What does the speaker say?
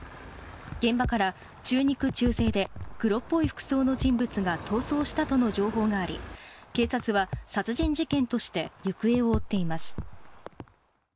現場から中肉中背で黒っぽい服装の人物が逃走したとの情報があり警察は殺人事件として行方を追っています。